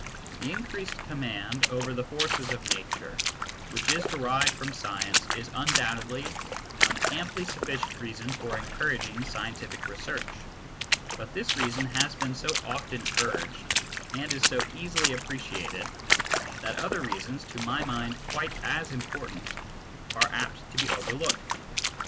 The increased command over the forces of nature which is derived from science is un doubtedly an amply sufficient reason for encouraging scientific research, but this reason has been so often urged and is so easily appreciated that other reasons, to my mind quite as important, are apt to be overlooked.